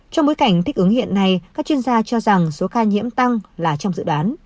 trong bối cảnh thích ứng hiện nay các chuyên gia cho rằng số ca nhiễm tăng là trong dự đoán